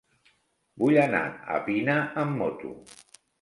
Vull anar a Pina amb moto.